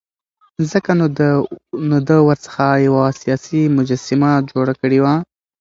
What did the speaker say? ځکه نو ده ورڅخه یوه سیاسي مجسمه جوړه کړې وه.